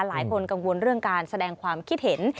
หลายคนกังวลเรื่องการแสดงความคิดเห็น